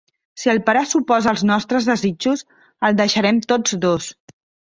Si el pare s'oposa als nostres desitjos, el deixarem tots dos.